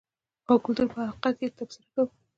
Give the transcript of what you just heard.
او کلتور په حقله تبصره کوو.